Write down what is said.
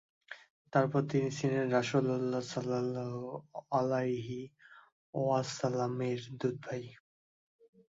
তারপর তিনি ছিলেন রাসূলুল্লাহ সাল্লাল্লাহু আলাইহি ওয়াসাল্লামের দুধভাই।